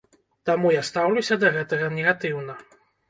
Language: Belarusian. Таму я стаўлюся да гэтага негатыўна.